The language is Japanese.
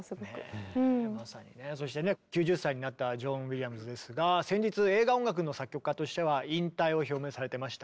そしてね９０歳になったジョン・ウィリアムズですが先日映画音楽の作曲家としては引退を表明されてましたね。